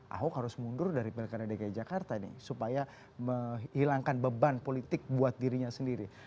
ahok harus mundur dari pdk jakarta supaya menghilangkan beban politik buat dirinya sendiri